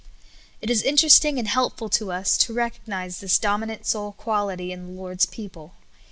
It is interesting and helpful to us to recognize this dominant soul qualit} in the Lord's people.